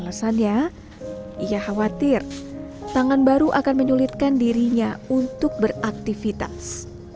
alasannya ia khawatir tangan baru akan menyulitkan dirinya untuk beraktivitas